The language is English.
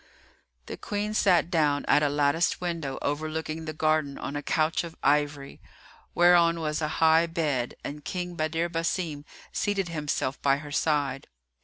The Queen sat down at a latticed window overlooking the garden on a couch of ivory, whereon was a high bed, and King Badr Basim seated himself by her side.